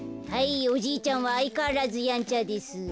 はいおじいちゃんはあいかわらずやんちゃです。